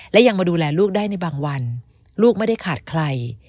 และยังมาดูแลลูกได้ในบางวันลูกไม่ได้ขาดใคร